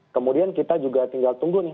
kemudian kita juga tinggal tunggu nih